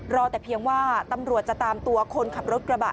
แต่เพียงว่าตำรวจจะตามตัวคนขับรถกระบะ